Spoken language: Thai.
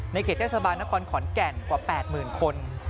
ในเกษตรสบานนครขอนแก่นประมาณ๘๐๐๐๐คน